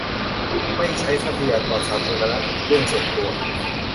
- ไม่ใช้ทรัพยากรสาธารณะกับเรื่องส่วนตัว